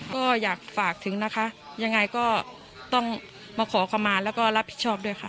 ก็อยากฝากถึงนะคะยังไงก็ต้องมาขอขมาแล้วก็รับผิดชอบด้วยค่ะ